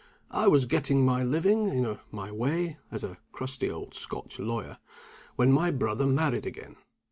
I was getting my living, in my way (as a crusty old Scotch lawyer), when my brother married again.